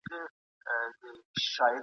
ایا تکړه پلورونکي چارمغز پلوري؟